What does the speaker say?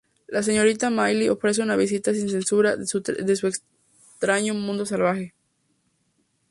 La señorita Miley ofrece una vista sin censura de su extraño mundo salvaje.